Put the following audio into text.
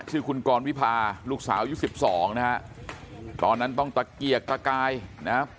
ชื่อคุณกรวิพาลูกสาวยุคสิบสองนะฮะตอนนั้นต้องตะเกียกตะกายนะครับ